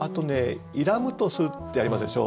「入らむとす」ってありましたでしょ。